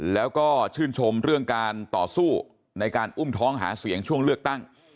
แล้วก็ชื่นชมเรื่องการต่อสู้ในการอุ้มท้องหาเสียงช่วงเลือกตั้ง